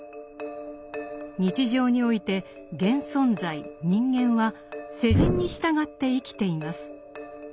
日常において現存在人間は世人に従って生きています。